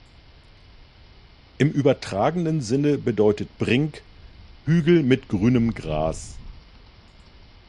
Im übertragenen Sinne bedeutet "Brink" „Hügel mit grünem Gras“.